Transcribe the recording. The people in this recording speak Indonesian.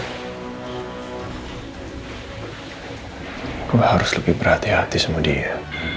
aku harus lebih berhati hati sama dia